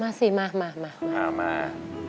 มาสิมา